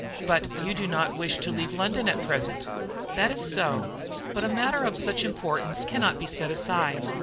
"But you do not wish to leave London at present?" "That is so; but a matter of such importance cannot be set aside.